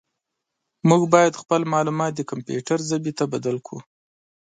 موږ باید خپل معلومات د کمپیوټر ژبې ته بدل کړو.